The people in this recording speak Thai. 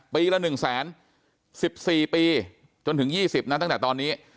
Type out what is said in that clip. ปีละ๑๐๐๐๐๐บาท๑๔ปีจนถึง๒๐ตั้งแต่ตอนนี้